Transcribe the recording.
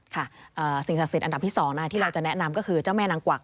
ค่ะสิ่งศักดิ์สิทธิอันดับที่๒ที่เราจะแนะนำก็คือเจ้าแม่นางกวัก